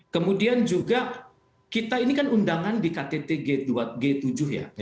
kemudian juga ini kan undangan di ktt g tujuh ya